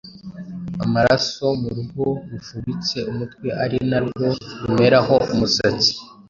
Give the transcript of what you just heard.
amaraso mu ruhu rufubitse umutwe ari narwo rumeraho umusatsi,